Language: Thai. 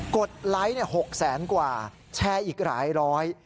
ดไลค์๖แสนกว่าแชร์อีกหลายร้อย